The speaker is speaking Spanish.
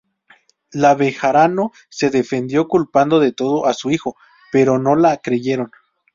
La Bejarano, se defendió culpando de todo a su hijo, pero no la creyeron.